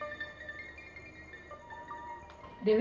dewi sudah dulu ya